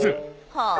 はあ。